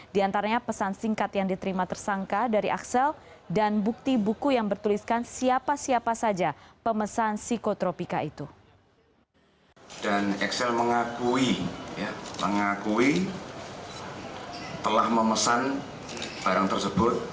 di antaranya pesan singkat yang diterima tersangka dari axel dan bukti buku yang bertuliskan siapa siapa saja pemesan psikotropika itu